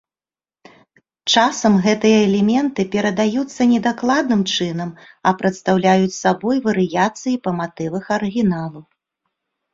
Часам гэтыя элементы перадаюцца не дакладным чынам, а прадстаўляюць сабой варыяцыі па матывах арыгіналаў.